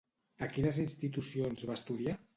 A quines institucions va estudiar?